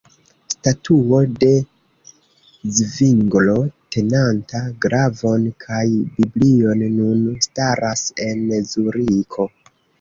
Statuo de Zvinglo tenanta glavon kaj Biblion nun staras en Zuriko.